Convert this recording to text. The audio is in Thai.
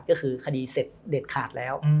ก็คือคดีเสร็จเด็ดขาดแล้ว